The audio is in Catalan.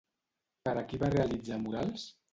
Per a qui va realitzar murals?